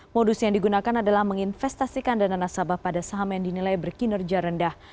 modus yang digunakan adalah menginvestasikan dana nasabah pada saham yang dinilai berkinerja rendah